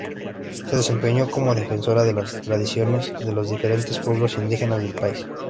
Se desempeñó como defensora de las tradiciones de los diferentes pueblos indígenas del país.